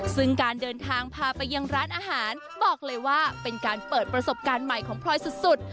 ซึ่งการเดินทางพาไปยังร้านอาหารบอกเลยว่าเป็นการเปิดประสบการณ์ใหม่ของพลอยสุด